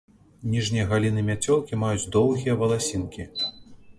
Ніжнія галіны мяцёлкі маюць доўгія валасінкі.